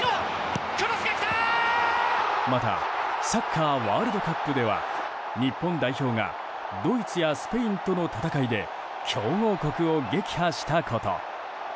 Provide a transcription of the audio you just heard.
またサッカーワールドカップでは日本代表がドイツやスペインとの戦いで強豪国を撃破したこと。